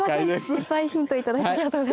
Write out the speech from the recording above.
いっぱいヒント頂いてありがとうございます。